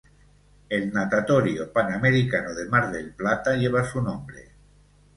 El Natatorio Panamericano de Mar del Plata lleva su nombre.